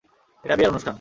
এটা বিয়ের অনুষ্ঠান।